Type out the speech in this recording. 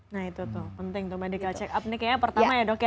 nah itu tuh penting tuh medical check up nih kayaknya pertama ya dok ya